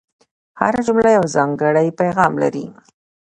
هره جمله یو ځانګړی پیغام لري.